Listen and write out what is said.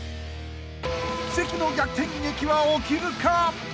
［奇跡の逆転劇は起きるか］